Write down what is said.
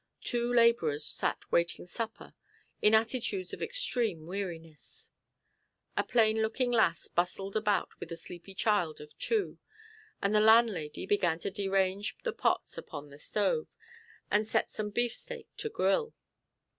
Two labourers sat waiting supper, in attitudes of extreme weariness; a plain looking lass bustled about with a sleepy child of two; and the landlady began to derange the pots upon the stove, and set some beefsteak to grill.